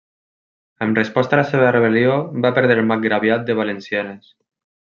En resposta a la seva rebel·lió va perdre el marcgraviat de Valenciennes.